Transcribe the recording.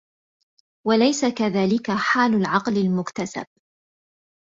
وَلَيْسَ كَذَلِكَ حَالُ الْعَقْلِ الْمُكْتَسَبِ